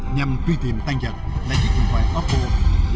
nhằm tùy tìm tan nhật lại chiếc điện thoại oppo và xe máy hachila màu bỏ